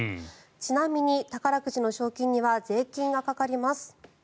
ちなみに宝くじの賞金には税金がかかります。